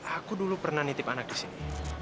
aku dulu pernah nitip anak di sini